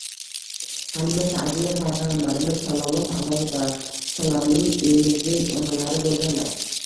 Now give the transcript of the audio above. Halima Sa’diya Payg‘ambarimiz sollallohu alayhi va sallamning emizik onalari bo‘lganlar.